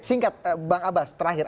singkat bang abbas terakhir